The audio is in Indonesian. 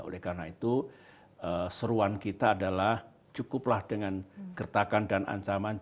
oleh karena itu seruan kita adalah cukuplah dengan gertakan dan ancaman